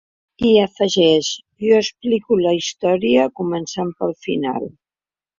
I afegeix: Jo explico la història començant pel final.